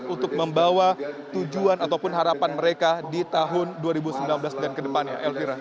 untuk membawa tujuan ataupun harapan mereka di tahun dua ribu sembilan belas dan kedepannya elvira